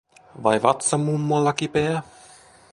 Vai vatsa mummolla kipeä?